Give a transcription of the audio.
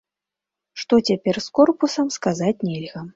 Што цяпер з корпусам, сказаць нельга.